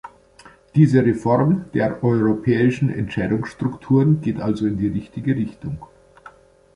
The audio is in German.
Diese Reform der europäischen Entscheidungsstrukturen geht also in die richtige Richtung.